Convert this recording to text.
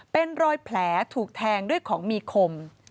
เป็นรอยแผลถูกแทงด้วยของมีคม